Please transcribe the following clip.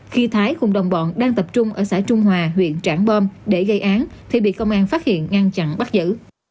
khi thái cùng đồng bọn đang tập trung ở xã trung hòa huyện trảng bom để gây án thì bị công an phát hiện ngăn chặn bắt giữ